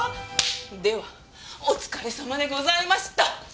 ではお疲れさまでございました！